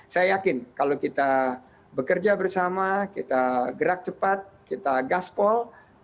saya yakin kalau kita bekerja bersama kita gerak cepat kita gaspol